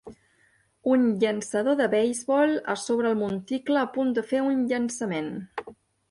Un llançador de beisbol a sobre el monticle a punt de fer un llançament